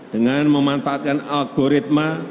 dengan memanfaatkan algoritma